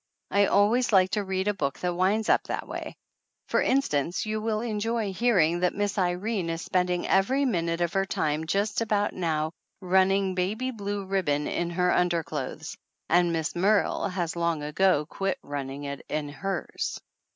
I al ways like to read a book that winds up that way. For instance, you will enjoy hearing that Miss Irene is spending every minute of her time just about now running baby blue ribbon in her 255 THE ANNALS OF ANN underclothes. And Miss Merle has long ago quit running it in hers